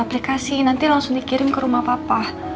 aplikasi nanti langsung dikirim ke rumah papa